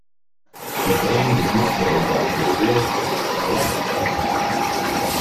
The band is not named after a real town in Alaska.